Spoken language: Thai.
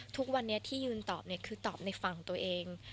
ทุกวันนี้ที่ยืนตอบคือตอบในฝั่งตัวเอง